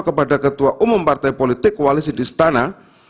kepada ketua umum partai politik kuali sidistana